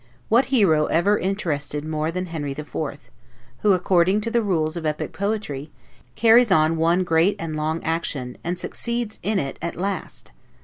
What hero ever interested more than Henry the Fourth; who, according to the rules of epic poetry, carries on one great and long action, and succeeds in it at last?